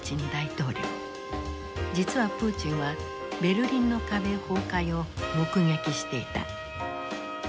実はプーチンはベルリンの壁崩壊を目撃していた。